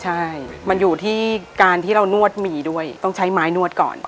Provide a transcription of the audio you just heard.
ใช่มันอยู่ที่การที่เรานวดหมี่ด้วยต้องใช้ไม้นวดก่อน